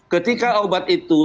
ketika obat itu